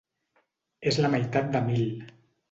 És la meitat de mil.